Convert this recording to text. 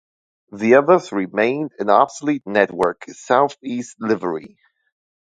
The others remained in obsolete Network SouthEast livery.